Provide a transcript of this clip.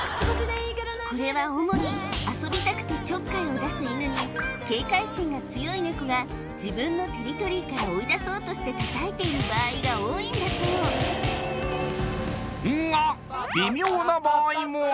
これは主に遊びたくてちょっかいを出す犬に警戒心が強いネコが自分のテリトリーから追い出そうとしてたたいている場合が多いんだそうんが！